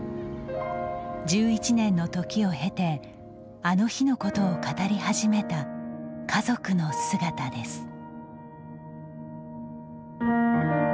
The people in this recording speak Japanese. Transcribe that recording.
１１年の時を経て「あの日」のことを語り始めた家族の姿です。